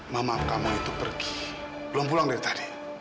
mama kamu itu pergi belum pulang dari tadi